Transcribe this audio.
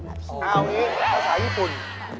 เอาอย่างนี้ภาษาญี่ปุ่น